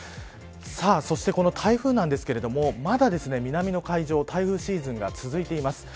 さあ、そしてこの台風なんですけれどもまだ南の海上台風シーズンが続いています。